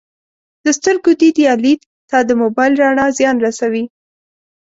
د سترګو دید یا لید ته د موبایل رڼا زیان رسوي